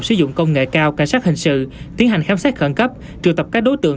sử dụng công nghệ cao cảnh sát hình sự tiến hành khám xét khẩn cấp trừ tập các đối tượng